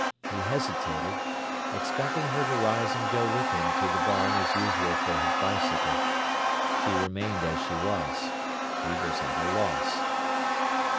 He hesitated, expecting her to rise and go with him to the barn as usual for his bicycle. She remained as she was. He was at a loss.